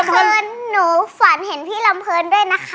วันเวลาหนูฝันเห็นพี่ลำเพิร์นด้วยนะคะ